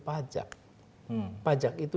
pajak pajak itu